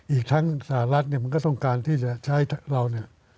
อีกทั้งสหรัฐเนี่ยมันก็ต้องการที่จะใช้เราเนี่ย